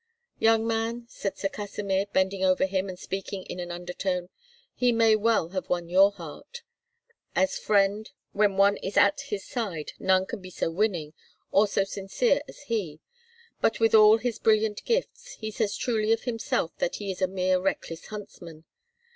"Young man," said Sir Kasimir, bending over him, and speaking in an undertone, "he may well have won your heart. As friend, when one is at his side, none can be so winning, or so sincere as he; but with all his brilliant gifts, he says truly of himself that he is a mere reckless huntsman.